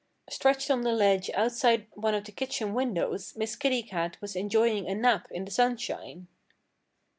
Stretched on the ledge outside one of the kitchen windows Miss Kitty Cat was enjoying a nap in the sunshine.